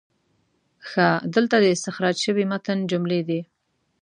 ښه، دلته د استخراج شوي متن جملې دي: